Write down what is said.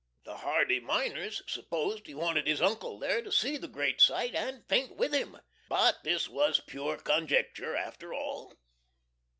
The hardy miners supposed he wanted his uncle there to see the great sight, and faint with him. But this was pure conjecture, after all.